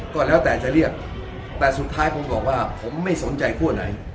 ก็แล้วแต่จะเรียกแต่สุดท้ายผมบอกว่าผมไม่สนใจคั่วไหน